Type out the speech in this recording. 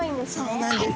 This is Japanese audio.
そうなんです。